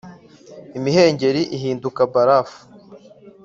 imuhengeri hahinduka barafu